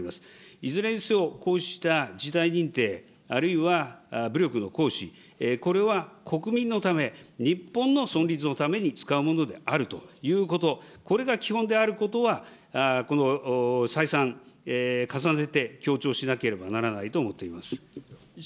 いずれにせよ、こうした事態認定、あるいは武力の行使、これは国民のため、日本の存立のために使うものであるということ、これが基本であることは、この再三、重ねて強調しなければならないと思っています。